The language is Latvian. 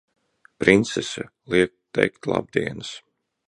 Princese liek teikt labdienas!